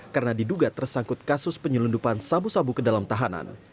karena diduga tersangkut kasus penyelundupan sabu sabu ke dalam tahanan